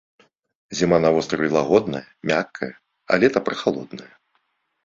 Зіма на востраве лагодная, мяккая, а лета прахалоднае.